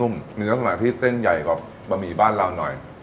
มีลักษณะที่เส้นใหญ่กว่าบะหมี่บ้านเราหน่อย